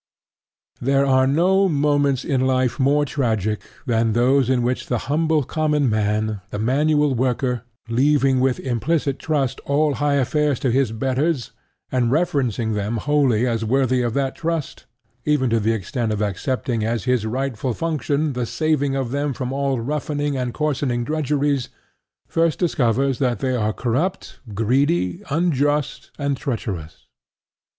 There are no moments in life more tragic than those in which the humble common man, the manual worker, leaving with implicit trust all high affairs to his betters, and reverencing them wholly as worthy of that trust, even to the extent of accepting as his rightful function the saving of them from all roughening and coarsening drudgeries, first discovers that they are corrupt, greedy, unjust and treacherous.